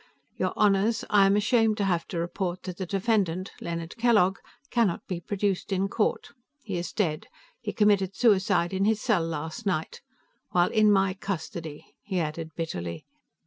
"Your Honors, I am ashamed to have to report that the defendant, Leonard Kellogg, cannot be produced in court. He is dead; he committed suicide in his cell last night. While in my custody," he added bitterly.